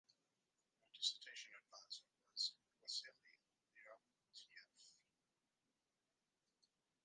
Her dissertation advisor was Wassily Leontief.